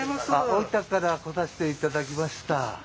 大分から来させて頂きました。